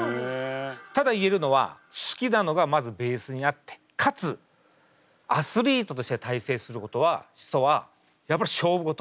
ただ言えるのは好きなのがまずベースにあってかつアスリートとして大成することは基礎はやっぱり勝負事。